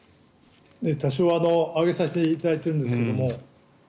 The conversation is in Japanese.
多少、上げさせていただいてるんですけども。